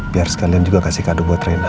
biar sekalian juga kasih kado buat rena